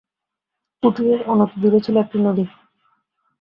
কুটিরের অনতিদূরে ছিল একটি নদী।